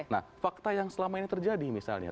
nah fakta yang selama ini terjadi misalnya